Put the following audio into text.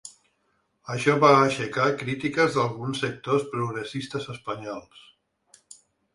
Això va aixecar crítiques d’alguns sectors progressistes espanyols.